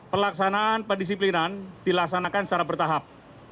pelaksanaan pendisiplinan dilaksanakan secara bertahap